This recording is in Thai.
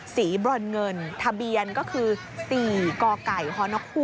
สีบรรเงินทะเบียนก็คือ๔กฮ๒๓๗๓